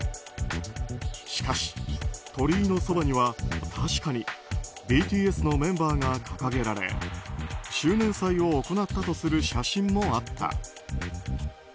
しかし鳥居の側には確かにＢＴＳのメンバーが掲げられ周年祭を行ったとする写真もあった。